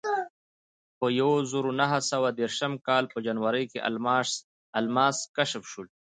په یوه زرو نهه سوه دېرشم کال په جنورۍ کې الماس کشف شول.